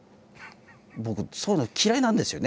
僕そういうの嫌いなんですよね